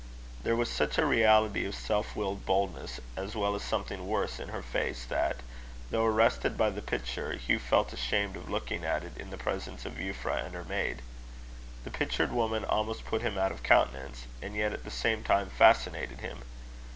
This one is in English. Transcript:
There was such a reality of self willed boldness as well as something worse in her face, that, though arrested by the picture, Hugh felt ashamed of looking at it in the presence of Euphra and her maid. The pictured woman almost put him out of countenance, and yet at the same time fascinated him.